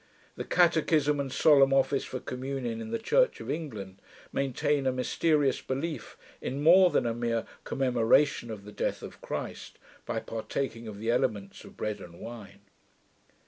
The Catechism and solemn office for Communion, in the Church of England, maintain a mysterious belief in more than a mere commemoration of the death of Christ, by partaking of the elements of bread and wine.